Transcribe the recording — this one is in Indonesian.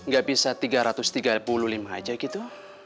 gak bisa tiga ratus tiga puluh lima aja gitu